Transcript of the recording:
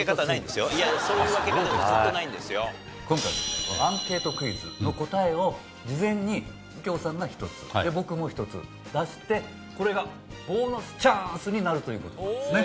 今回はですねアンケートクイズの答えを事前に右京さんが１つ僕も１つ出してこれがボーナスチャンスになるという事なんですね。